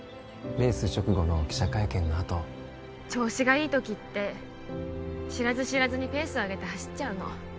レース直後の記者会見のあと調子がいい時って知らず知らずにペースを上げて走っちゃうの